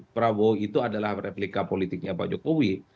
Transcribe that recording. prabowo itu adalah replika politiknya pak jokowi